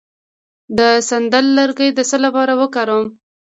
د سندل لرګی د څه لپاره وکاروم؟